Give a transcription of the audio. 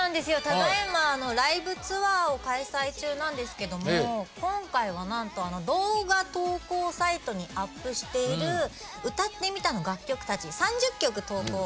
ただ今ライブツアーを開催中なんですけども今回は何と動画投稿サイトにアップしている歌ってみたの楽曲達３０曲投稿